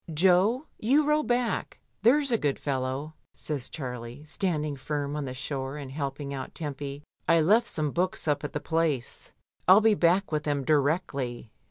"Jo, you row back, there's a good fellow," says Charlie, standing firm on the shore and helping out Tempy. "I left some books up at the Place; FU be back with them directly."